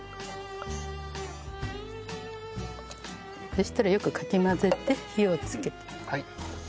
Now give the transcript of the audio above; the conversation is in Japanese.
そしたらよくかき混ぜて火をつけて。